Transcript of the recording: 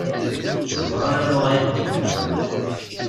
Ẓran anwa ay ken-ilan.